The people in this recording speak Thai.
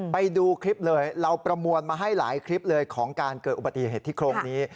ไปดูคลิปเลยเราประมวลมาให้หลายคลิปเลยของการเกิดอุบัติเหตุที่โครงนี้